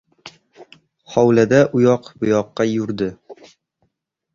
Hovlida uyoq-buyoqqa yurdi.